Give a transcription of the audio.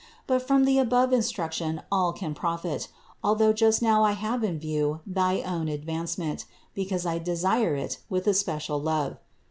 But from the above instruction all can profit, although just now I have in view thy own advancement, because I desire it with especial love.